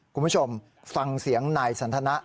คุณผู้ชมฟังเสียงนายสันทนะ